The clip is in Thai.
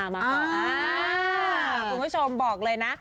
คุณผู้ชมบอกเลยนะ